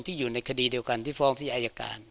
อยู่ในคดีเดียวกันที่ฟ้องที่อายการ